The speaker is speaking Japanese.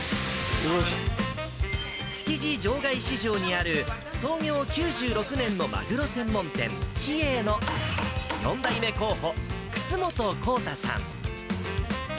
築地場外市場にある創業９６年のマグロ専門店、樋栄の４代目候補、楠本康太さん。